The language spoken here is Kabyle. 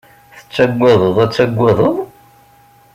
Tettagadeḍ ad tagadeḍ?